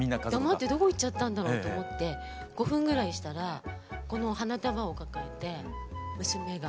黙ってどこ行っちゃったんだろうと思って５分ぐらいしたらこの花束を抱えて娘が。